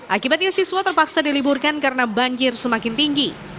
akibatnya siswa terpaksa diliburkan karena banjir semakin tinggi